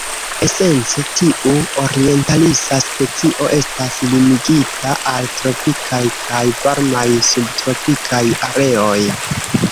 Esence tiu orientalisa specio estas limigita al tropikaj kaj varmaj subtropikaj areoj.